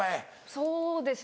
そうですね